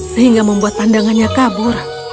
sehingga membuat pandangannya kabur